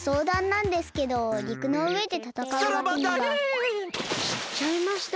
いっちゃいました。